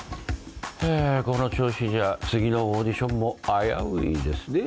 ハァこの調子じゃ次のオーディションも危ういですね。